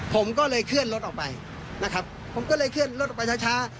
ผมก็เลยเคลื่อนรถออกไปนะครับผมก็เลยเคลื่อนรถออกไปช้าช้า